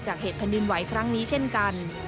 เหตุแผ่นดินไหวครั้งนี้เช่นกัน